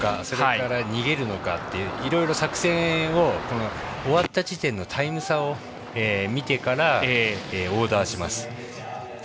それとも逃げるのかといういろいろ作戦を終わった時点のタイム差を見てからオーダーします。